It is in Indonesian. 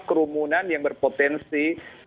kerumunan yang berpotensi